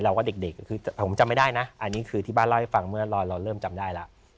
ว่าเด็กคือผมจำไม่ได้นะอันนี้คือที่บ้านเล่าให้ฟังเมื่อเราเริ่มจำได้แล้ว